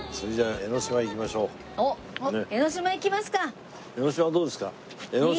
江の島どうですか？